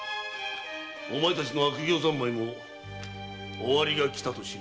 お前たちの悪行三昧も終わりがきたと知れ。